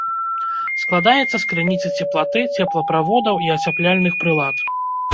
Складаецца з крыніцы цеплаты, цеплаправодаў і ацяпляльных прылад.